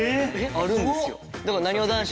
あるんですよ。